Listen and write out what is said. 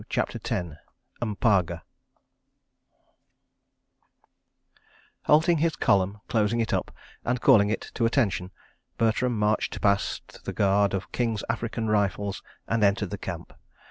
CHAPTER X M'paga Halting his column, closing it up, and calling it to attention, Bertram marched past the guard of King's African Rifles and entered the Camp.